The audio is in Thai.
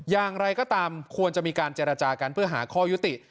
อย่างไรก็ตามควรจะมีการเจรจากันเพื่อหาข้อยุติ